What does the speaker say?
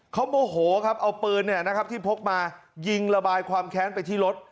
เขาโมโหครับเอาปืนที่พกมายิงระบายความแค้นไปที่รถ